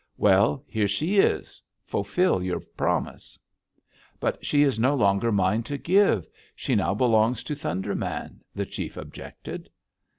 Well, here she is: fulfill your promise!' "'But she is no longer mine to give. She now belongs to Thunder Man,' the chief objected.